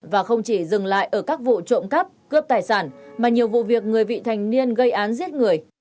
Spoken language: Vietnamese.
và không chỉ dừng lại ở các vụ trộm cắp cướp tài sản mà nhiều vụ việc người vị thành niên gây án giết người